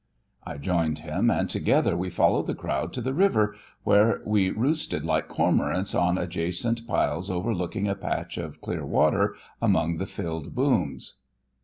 I joined him, and together we followed the crowd to the river, where we roosted like cormorants on adjacent piles overlooking a patch of clear water among the filled booms.